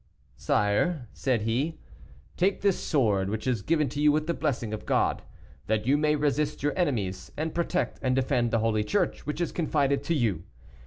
"Sire," said he, "take this sword, which is given to you with the blessing of God, that you may resist your enemies, and protect and defend the holy Church, which is confided to you.